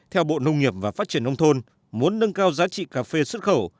theo bộ nông nghiệp và phát triển nông thôn muốn nâng cao giá trị cà phê xuất khẩu